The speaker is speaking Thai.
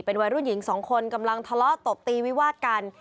วัยรุ่นหญิงสองคนกำลังทะเลาะตบตีวิวาดกัน